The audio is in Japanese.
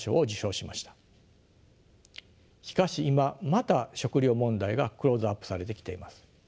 しかし今また食糧問題がクローズアップされてきています。